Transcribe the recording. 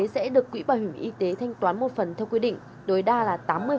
sẽ được quỹ bảo hiểm y tế thanh toán một phần theo quy định tối đa là tám mươi